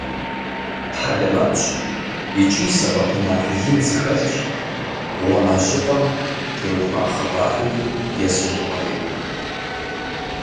Хьэлэмэтщ икӀи сэбэпынагъ ин зыхэлъщ «Гъуамэжьыкъуэм» теухуа хъыбарри езы щӀыпӀэри.